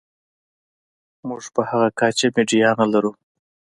موږ په هغه کچه میډیا نلرو.